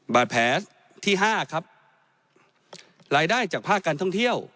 บาดแผลที่ห้าครับรายได้จากภาคการท่องเที่ยว